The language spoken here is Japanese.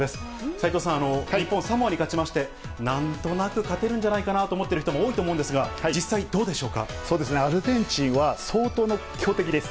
斉藤さん、日本、サモアに勝ちまして、なんとなく勝てるんじゃないかなと思ってる人も多いと思うんですが、そうですね、アルゼンチンは相当の強敵です。